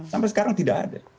sampai sekarang tidak ada